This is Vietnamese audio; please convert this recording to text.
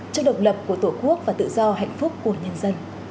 cho độc lập của tổ quốc và tự do hạnh phúc của nhân dân